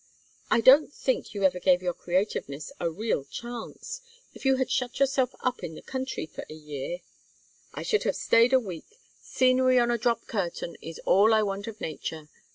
"I don't think you ever gave your creativeness a real chance. If you had shut yourself up in the country for a year " "I should have stayed a week. Scenery on a drop curtain is all I want of nature.